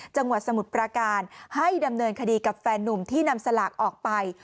สมุทรปราการให้ดำเนินคดีกับแฟนนุ่มที่นำสลากออกไป